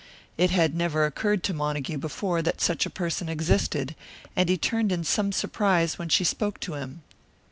It had never occurred to Montague before that such a person existed; and he turned in some surprise when she spoke to him.